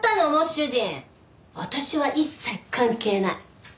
私は一切関係ない。